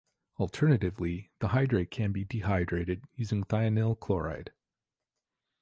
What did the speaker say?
Alternatively the hydrate can be dehydrated using thionyl chloride.